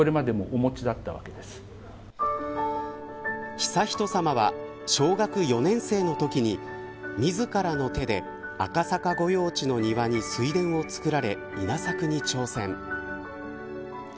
悠仁さまは、小学４年生の時に自らの手で赤坂御用地の庭に水田を作られ稲作に挑戦。